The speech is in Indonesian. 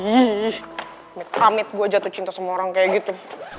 ih mau pamit gue jatuh cinta sama orang kayak gitu